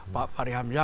pak fahri hamzah